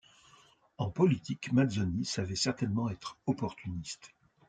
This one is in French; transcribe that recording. En politique Mazzoni savait certainement être opportuniste.